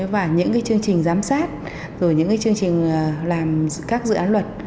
và những chương trình giám sát rồi những cái chương trình làm các dự án luật